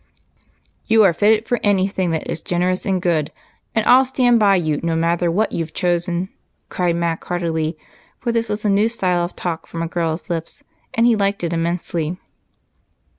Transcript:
"You are fitted for anything that is generous and good, and I'll stand by you, no matter what you've chosen," cried Mac heartily, for this was a new style of talk from a girl's lips, and he liked it immensely.